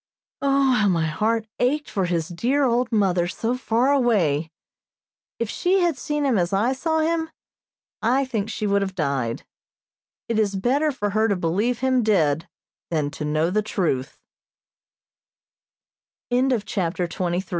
O, how my heart ached for his dear old mother so far away! If she had seen him as I saw him, I think she would have died. It is better for her to believe him dead than to know the truth. CHAPTER XXIV. AN UNPLEASANT ADVENTURE.